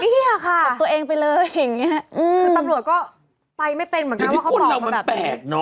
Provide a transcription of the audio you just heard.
ไม่เหี้ยวค่ะตกตัวเองไปเลยอย่างนี้ค่ะอืมคือตำรวจก็ไปไม่เป็นเหมือนกันว่าเขาบอกว่าแบบนี้แต่ที่คนเรามันแปลกเนอะ